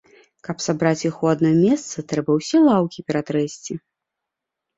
Каб сабраць іх у адно месца, трэба ўсе лаўкі ператрэсці.